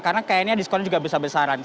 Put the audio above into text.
karena kayaknya diskonnya juga besar besaran